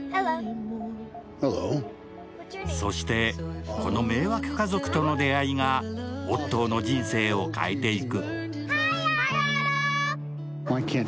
そして、この迷惑家族との出会いがオットーの人生を変えていく。